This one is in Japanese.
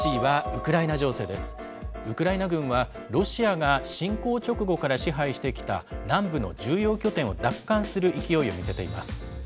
ウクライナ軍は、ロシアが侵攻直後から支配してきた南部の重要拠点を奪還する勢いを見せています。